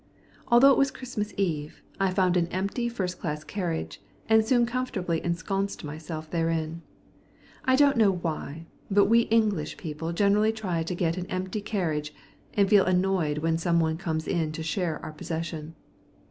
Although it was Christmas Eve, I found an empty first class carriage, and soon comfortably ensconced myself therein. I don't know why, but we English people generally try to get an empty carriage, and feel annoyed when some one comes in to share our possession.